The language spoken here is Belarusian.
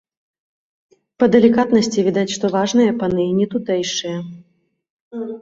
Па далікатнасці відаць, што важныя паны і не тутэйшыя.